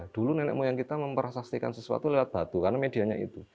dulu nenek moyang kita memperasastikan sesuatu lewat batu karena medianya itu